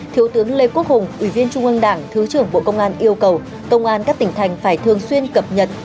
thiếu tướng lê quốc hùng ủy viên trung ương đảng thứ trưởng bộ công an yêu cầu công an các tỉnh thành